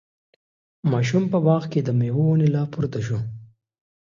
ماشوم په باغ کې د میوو ونې ته پورته شو.